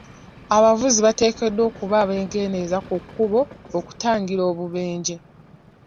Abavuzi bateekeddwa okuba abegendereza ku kkubo okutangira obubenje.